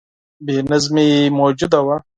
بې نظمي موجوده ده.